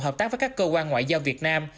hợp tác với các cơ quan ngoại giao việt nam